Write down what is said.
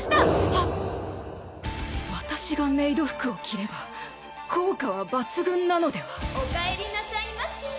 はっ私がメイド服を着れば効果は抜群なのではおかえりなさいまし